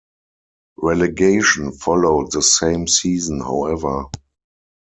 Relegation followed the same season, however.